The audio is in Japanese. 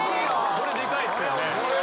これでかいっすよね。